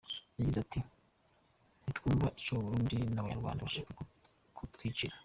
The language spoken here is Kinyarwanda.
Yagize ati: "Ntitwumva ico abarundi n'abanyarwanda bashaka kutwicira.